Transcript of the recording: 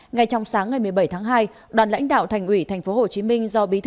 ngày trong sáng ngày một mươi bảy tháng hai đoàn lãnh đạo thành ủy tp hcm do bí thư thành ủy nguyễn văn nên dẫn đầu